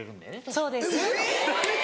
そうです。